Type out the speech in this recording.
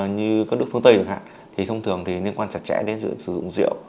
như các nước phương tây chẳng hạn thì thông thường thì liên quan chặt chẽ đến sử dụng rượu